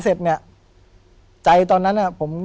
ผมก็ไม่เคยเห็นว่าคุณจะมาทำอะไรให้คุณหรือเปล่า